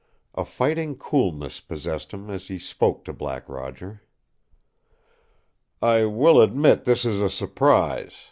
A fighting coolness possessed him as he spoke to Black Roger. "I will admit this is a surprise.